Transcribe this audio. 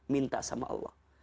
minta sama allah